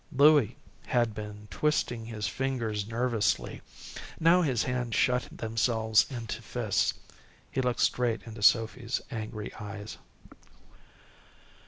Louie had been twisting his fingers nervously. Now his hands shut themselves into fists. He looked straight into Sophy's angry eyes.